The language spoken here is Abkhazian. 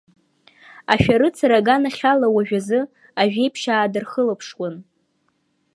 Ашәарыцара аганахьала уажәазы ажәеиԥшьаа дырхылаԥшуан.